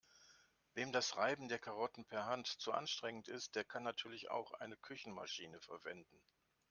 Wem das Reiben der Karotten per Hand zu anstrengend ist, der kann natürlich auch eine Küchenmaschine verwenden.